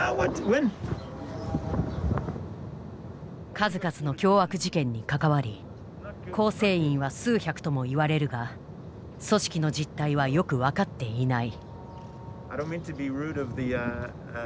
数々の凶悪事件に関わり構成員は数百ともいわれるが組織の実態はよく分かっていない。